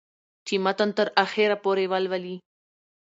چې متن تر اخره پورې ولولي